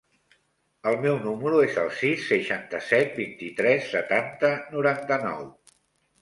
El meu número es el sis, seixanta-set, vint-i-tres, setanta, noranta-nou.